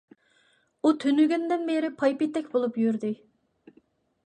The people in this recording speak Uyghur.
ئۇ تۈنۈگۈندىن بېرى پايپېتەك بولۇپ يۈردى.